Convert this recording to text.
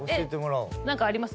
なんかあります？